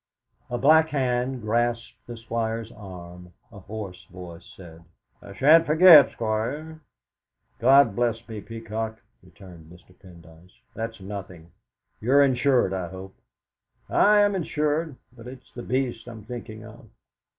A black hand grasped the Squire's arm, a hoarse voice said: "I shan't forget, Squire!" "God bless me, Peacock!" returned Mr. Pendyce, "that's nothing! You're insured, I hope?' "Aye, I'm insured; but it's the beasts I'm thinking of!"